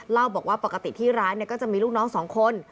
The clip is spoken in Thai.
เล่าบอกว่าปกติที่ร้านก็จะมีลูกน้องสองคน